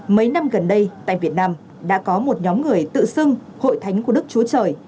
mấy năm gần đây tại việt nam đã có một nhóm người tự xưng hội thánh của đức chúa trời